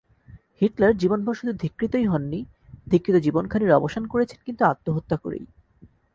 Hitler জীবনভর শুধু ধিক্কৃতই হননি, ধিক্কৃত জীবনখানির অবসান করেছেন কিন্তু আত্মহত্যা করেই।